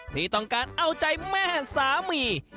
ที่ต้องการเอาใจแม่สามี